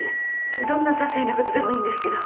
どんなささいなことでもいいんですけど。